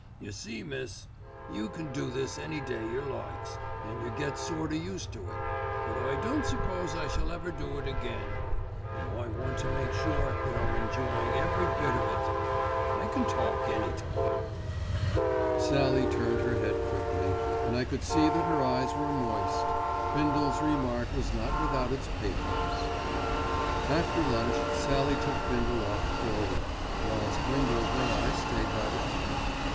"You see, miss, you can do this any day yer likes, and yer gets sort o' used to it; but I don't suppose I shall ever do it again, and I want to make sure that I'm enjoyin' every bit of it. I can talk any time." Sallie turned her head quickly, and I could see that her eyes were moist. Bindle's remark was not without its pathos. After lunch Sallie took Bindle off for a walk, whilst Windover and I stayed by the car.